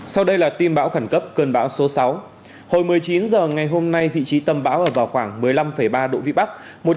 sau đây là tin bão khẩn cấp cơn bão số sáu hồi một mươi chín h ngày hôm nay vị trí tâm bão ở vào khoảng một mươi năm ba độ vĩ bắc